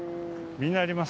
みんなあります？